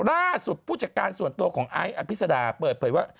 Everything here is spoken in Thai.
ผู้จัดการส่วนตัวของไอซ์อภิษดาเปิดเผยว่า